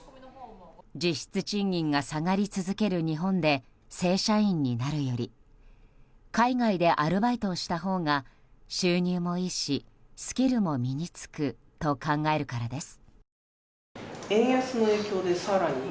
実質賃金が下がり続ける日本で正社員になるより海外でアルバイトをしたほうが収入もいいしスキルも身に付くと考えるからです。